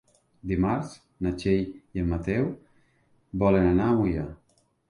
Dimarts na Txell i en Mateu volen anar a Moià.